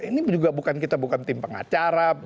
ini juga bukan kita bukan tim pengacara